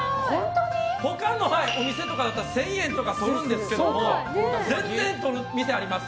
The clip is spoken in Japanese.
他のお店とかだったら１０００円とかするんですけど全然、そういう店もあります。